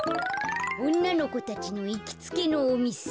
おんなのこたちのいきつけのおみせ。